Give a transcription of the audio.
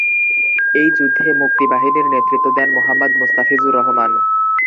এই যুদ্ধে মুক্তিবাহিনীর নেতৃত্ব দেন মুহাম্মদ মুস্তাফিজুর রহমান।